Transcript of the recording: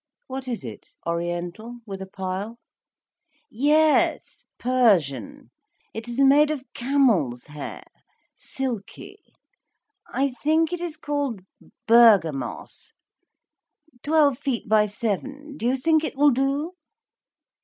"What is it? Oriental? With a pile?" "Yes. Persian! It is made of camel's hair, silky. I think it is called Bergamos—twelve feet by seven—. Do you think it will do?"